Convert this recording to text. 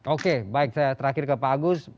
oke baik saya terakhir ke pak agus